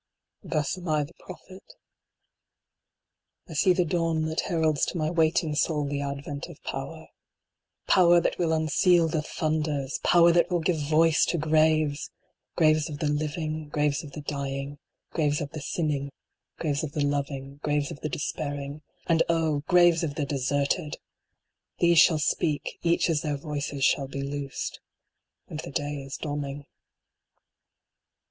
Thus am I the prophet I see the dawn that heralds to my waiting soul the ad vent of power. Power that will unseal the thunders ! Power that will give voice to graves ! JUDITH. 21 Graves of the living ; Graves of the dying ; Graves of the sinning ; Graves of the loving ; Graves of despairing ; And oh ! graves of the deserted ! These shall speak, each as their voices shall be loosed. And the day is dawning.